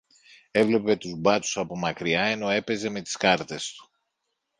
έβλεπε τους μπάτσους από μακριά ενώ έπαιζε με τις κάρτες του.